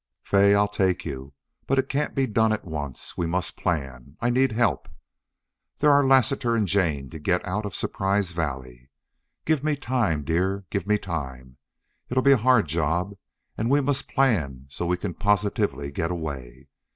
"Fay, I'll take you. But it can't be done at once. We must plan. I need help. There are Lassiter and Jane to get out of Surprise Valley. Give me time, dear give me time. It'll be a hard job. And we must plan so we can positively get away.